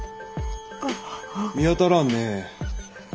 見当たらんね。